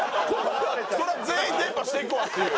そりゃ全員伝播していくわっていう。